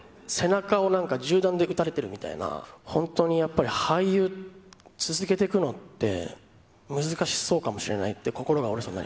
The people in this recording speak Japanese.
背中をなんか銃弾で撃たれてるみたいな、本当にやっぱり俳優続けていくのって難しそうかもしれないって心